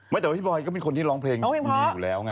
แต่ว่าพี่บอยก็เป็นคนที่ร้องเพลงดีอยู่แล้วไง